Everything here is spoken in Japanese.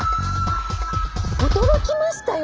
驚きましたよ！